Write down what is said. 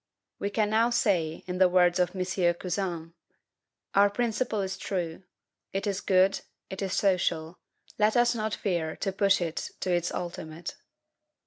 We can now say, in the words of M. Cousin: "Our principle is true; it is good, it is social; let us not fear to push it to its ultimate."